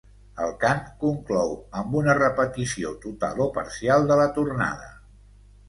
El cant conclou amb una repetició total o parcial de la tornada.